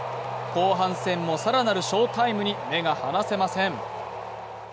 後半戦も更なる翔タイムに目が離せません。